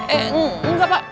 eh eh enggak pak